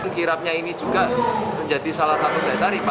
kirapnya ini juga menjadi salah satu dataripa